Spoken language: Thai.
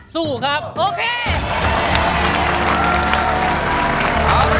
สู้ครับโอเค